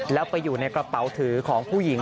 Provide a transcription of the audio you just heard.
แล้วไปอยู่ในกระเป๋าถือของผู้หญิง